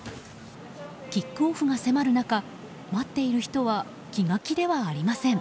キックオフが迫る中待っている人は気が気ではありません。